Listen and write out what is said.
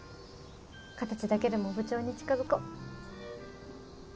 形だけでも部長に近づこう。